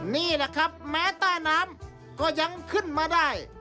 นี่แหละครับแม้ใต้น้ำก็ยังขึ้นมาได้